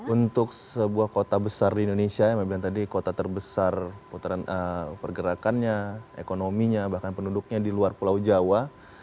untuk sebuah kota besar di indonesia yang saya bilang tadi kota terbesar pergerakannya ekonominya bahkan penduduknya di luar pulau jawa